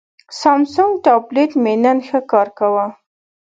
سامسنګ ټابلیټ مې نن ښه کار کاوه.